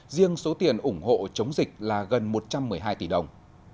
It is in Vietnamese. riêng số tiền ủng hộ chống dịch là gần một trăm một mươi hai tỷ đồng